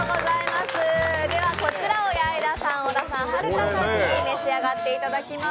こちらを矢井田さん、小田さん、はるかさんに召し上がっていただきます。